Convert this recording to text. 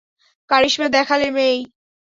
কারিশমা দেখালে, মেই।